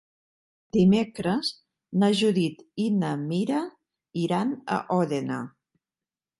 Dimecres na Judit i na Mira iran a Òdena.